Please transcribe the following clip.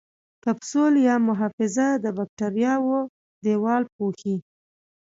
کپسول یا محفظه د باکتریاوو دیوال پوښي.